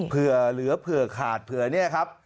เผื่อเหลือเผื่อขาดเผื่อเนี่ยครับ